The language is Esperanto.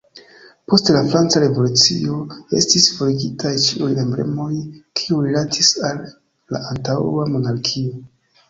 Post la Franca Revolucio estis forigitaj ĉiuj emblemoj, kiuj rilatis al la antaŭa monarkio.